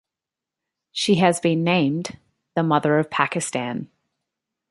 She has been named "The Mother of Pakistan".